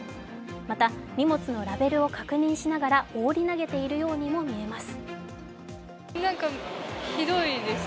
また荷物のラベルを確認しながら放り投げているようにも見えます。